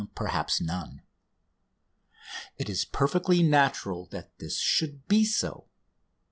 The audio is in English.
Perhaps none. It is perfectly natural that this should be so.